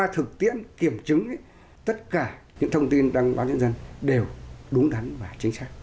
thực tiễn kiểm chứng tất cả những thông tin đăng báo nhân dân đều đúng đắn và chính xác